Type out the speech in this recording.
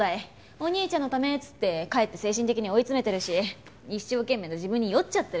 お兄ちゃんのためっつってかえって精神的に追い詰めてるし一生懸命な自分に酔っちゃってる。